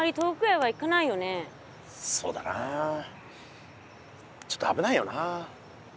そうだなあちょっとあぶないよな。